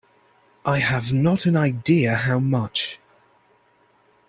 I have not an idea how much.